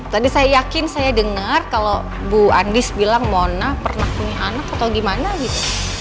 tadi saya yakin saya dengar kalau bu andis bilang mona pernah punya anak atau gimana gitu